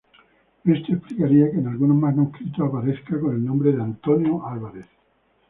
Esto explicaría que, en algunos manuscritos, aparezca con el nombre de Antonio Álvarez.